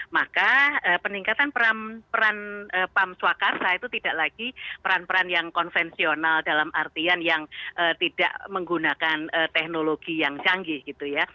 maka peningkatan peran pam swakarsa itu tidak lagi peran peran yang konvensional dalam artian yang tidak menggunakan teknologi yang canggih gitu ya